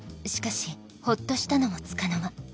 しかしほっとしたのもつかの間。